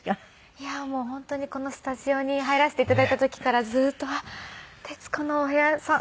いやもう本当にこのスタジオに入らせて頂いた時からずっと徹子のお部屋さん。